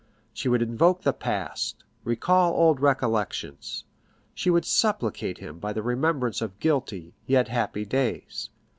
She would invoke the past, recall old recollections; she would supplicate him by the remembrance of guilty, yet happy days.